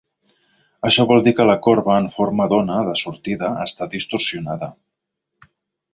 Això vol dir que la corba en forma d'ona de sortida està distorsionada.